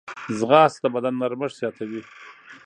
ځغاسته د بدن نرمښت زیاتوي